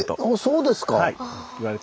そうですか。